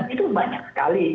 itu banyak sekali